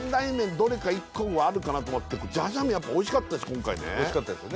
どれか１個はあるかなと思ってじゃじゃ麺やっぱおいしかったし今回ねおいしかったですよね